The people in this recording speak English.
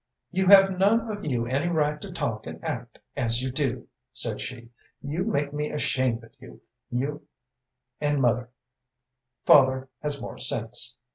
"You have none of you any right to talk and act as you do," said she. "You make me ashamed of you, you and mother; father has more sense.